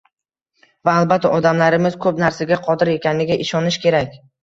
Va, albatta, odamlarimiz ko‘p narsaga qodir ekaniga ishonish kerak.